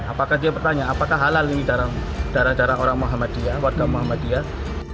apakah dia bertanya apakah halal ini darah darah orang muhammadiyah warga muhammadiyah